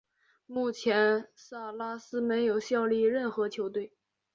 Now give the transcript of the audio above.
目前萨拉斯没有效力任何球队。